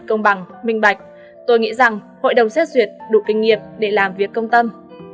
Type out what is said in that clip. công bằng minh bạch tôi nghĩ rằng hội đồng xét duyệt đủ kinh nghiệm để làm việc công tâm